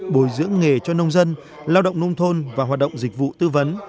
bồi dưỡng nghề cho nông dân lao động nông thôn và hoạt động dịch vụ tư vấn